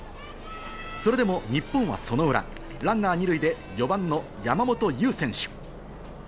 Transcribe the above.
それでも日本はその裏、ランナー２塁で４番の山本優選手。